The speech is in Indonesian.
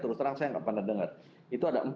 terus terang saya nggak pernah dengar itu ada